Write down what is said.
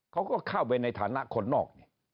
เขาก็เข้าไปในฐานะคนนอก